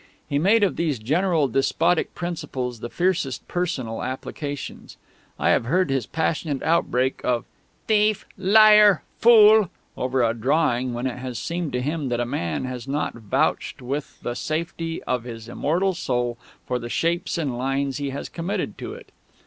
He made of these general despotic principles the fiercest personal applications. I have heard his passionate outbreak of "Thief! Liar! Fool!" over a drawing when it has seemed to him that a man has not vouched with the safety of his immortal soul for the shapes and lines he has committed to it.